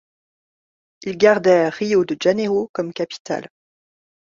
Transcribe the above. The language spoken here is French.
Ils gardèrent Rio de Janeiro comme capitale.